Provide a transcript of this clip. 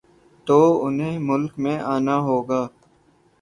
تو انہیں ملک میں آنا ہو گا۔